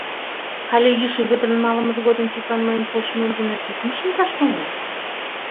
Але йӱшӧ Вӧдырын малымыж годым тудлан мыйын полшымем дене «тӱкым шындаш» шонен?